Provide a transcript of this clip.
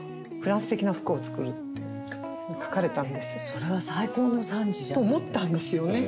それは最高の賛辞じゃないですか。と思ったんですよね。